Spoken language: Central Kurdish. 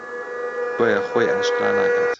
بۆیە خۆی ئاشکرا ناکات